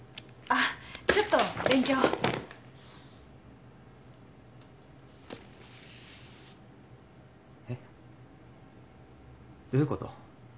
あっちょっと勉強えっどういうこと？